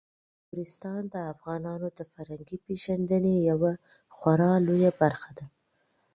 نورستان د افغانانو د فرهنګي پیژندنې یوه خورا لویه برخه ده.